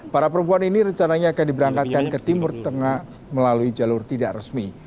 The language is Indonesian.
para perempuan ini rencananya akan diberangkatkan ke timur tengah melalui jalur tidak resmi